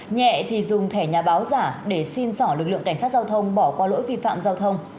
nhẹ thì dùng thẻ nhà báo giả để xin sỏ lực lượng cảnh sát giao thông bỏ qua lỗi vi phạm giao thông